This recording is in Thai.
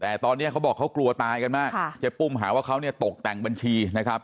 แต่ตอนนี้เขาบอกเขากลัวตายกันมากเจ๊ปุ้มหาว่าเขาเนี่ยตกแต่งบัญชีนะครับ